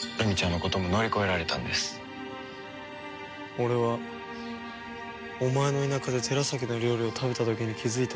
俺はお前の田舎で寺崎の料理を食べた時に気づいた。